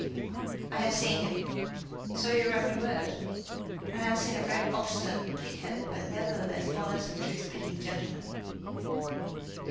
'" "I have seen him." "So you wrote me word." "And I have seen a very obstinate, pig headed, but nevertheless honest and truth speaking gentleman."